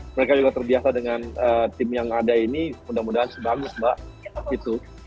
mereka juga terbiasa dengan tim yang ada ini mudah mudahan bagus mbak gitu